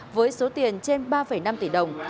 với số tiền trên ba năm tỷ đồng